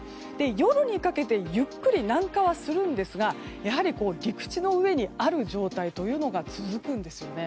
夜にかけてゆっくり南下はするんですがやはり陸地の上にある状態が続くんですよね。